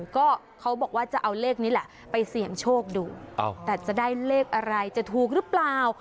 ก็เขาบอกว่าจะเอาเลขนี้แหละไปเสี่ยงโชคดูแต่จะได้เลขอะไรจะถูกหรือเปล่า